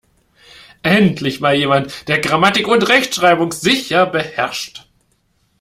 Endlich mal jemand, der Grammatik und Rechtschreibung sicher beherrscht!